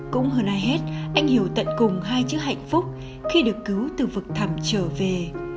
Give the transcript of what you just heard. cũng hơn ai hết anh hiểu tận cùng hai chữ hạnh phúc khi được cứu từ vực thầm trở về